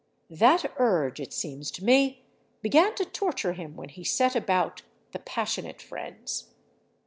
That urge, it seems to me, began to torture him when he set about "The Passionate Friends."